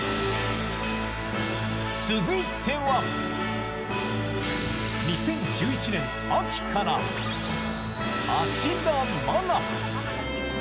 続いては２０１１年秋から芦田愛菜。